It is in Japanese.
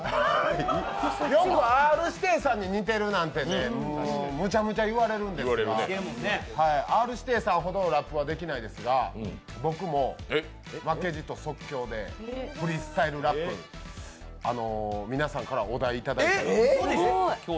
よくＲ−指定さんに似てるなんてむちゃむちゃ言われるんですがＲ−指定さんほどラップはできないですが僕も負けじと即興でフリースタイルラップ、皆さんからお題をいただいて。